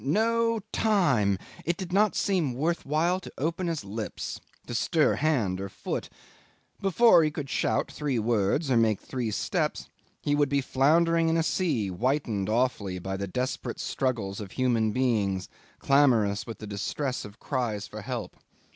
No time! It did not seem worth while to open his lips, to stir hand or foot. Before he could shout three words, or make three steps, he would be floundering in a sea whitened awfully by the desperate struggles of human beings, clamorous with the distress of cries for help.